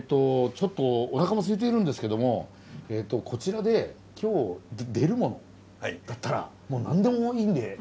ちょっとおなかもすいているんですけどもこちらで今日出るものだったらもう何でもいいんで。